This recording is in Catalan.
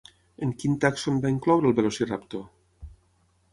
En quin tàxon van incloure el Velociraptor?